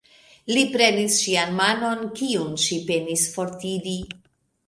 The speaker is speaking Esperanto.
Li prenis ŝian manon, kiun ŝi penis fortiri.